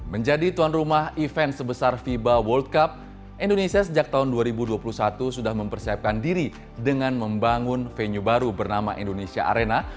menjadi tuan rumah event sebesar fiba world cup indonesia sejak tahun dua ribu dua puluh satu sudah mempersiapkan diri dengan membangun venue baru bernama indonesia arena